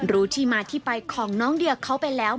รู้ที่มาที่ไปของน้องเดือกเขาไปแล้ว